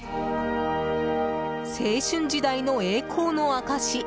青春時代の栄光の証し